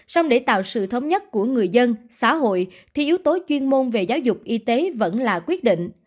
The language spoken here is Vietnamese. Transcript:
xong để tạo sự thống nhất của người dân xã hội thì yếu tố chuyên môn về giáo dục y tế vẫn là quyết định